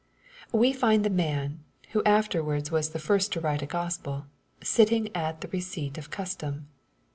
We find the man, who afterwards was the first to write a Gospel, sitting at the receipt of custom.